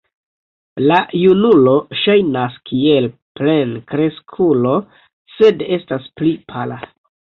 La junulo ŝajnas kiel plenkreskulo, sed estas pli pala.